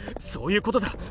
そういうことだ。